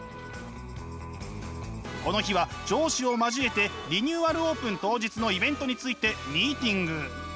この日は上司を交えてリニューアルオープン当日のイベントについてミーティング。